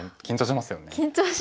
緊張しますよね。